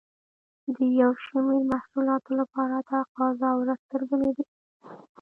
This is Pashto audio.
د یو شمېر محصولاتو لپاره تقاضا ورځ تر بلې ډېرېده.